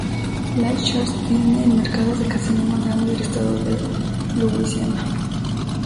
Lake Charles tiene el mercado de casinos más grande del estado de Louisiana.